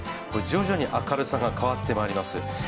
徐々に明るさが変わってまいります。